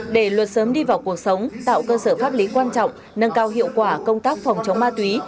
để luật sớm đi vào cuộc sống tạo cơ sở pháp lý quan trọng nâng cao hiệu quả công tác phòng chống ma túy